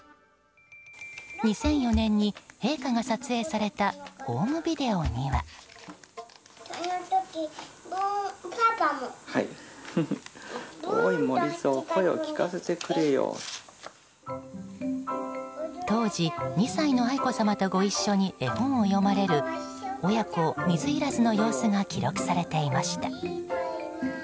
２００４年に、陛下が撮影されたホームビデオには。当時２歳の愛子さまとご一緒に絵本を読まれる親子水入らずの様子が記録されていました。